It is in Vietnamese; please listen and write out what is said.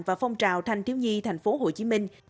và phong trào thanh thiếu nhi thành phố hồ chí minh